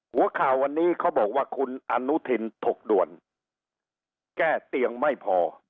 หัวข่าววันนี้เขาบอกว่าคุณอนุทินถกด่วนแก้เตียงไม่พอ